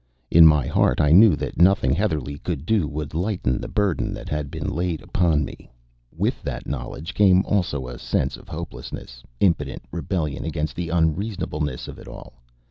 In my heart I knew that nothing Heatherlegh could do would lighten the burden that had been laid upon me. With that knowledge came also a sense of hopeless, impotent rebellion against the unreasonableness of it all.